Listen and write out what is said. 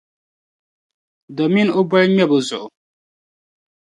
domin o boli ŋmɛbo zuɣu.